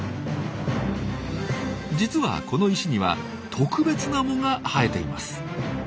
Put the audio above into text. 実はこの石には特別な藻が生えています。